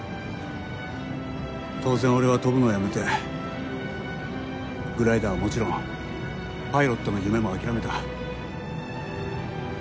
当然俺は飛ぶのをやめてグライダーはもちろんパイロットの夢も諦めた。